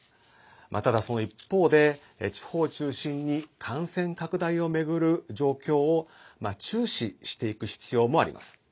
ただ、その一方で地方を中心に感染拡大を巡る状況を注視していく必要もあります。